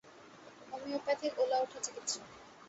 ‘’homeopathic ওলাওঠা চিকিৎসা’’